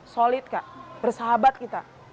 solid kak bersahabat kita